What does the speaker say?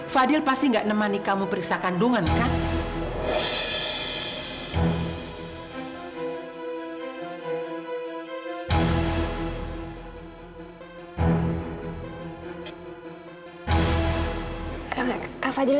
fadil pasti nggak nemani kamu bersama sama pak fadil